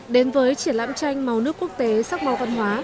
đến với triển lãm tranh màu nước quốc tế sắc màu văn hóa